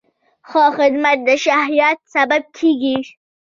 ښه خدمت د شهرت سبب کېږي.